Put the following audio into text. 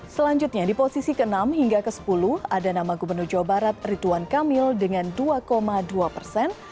selanjutnya di posisi ke enam hingga ke sepuluh ada nama gubernur jawa barat rituan kamil dengan dua dua persen